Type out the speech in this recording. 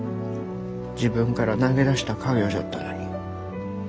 自分から投げ出した家業じゃったのに。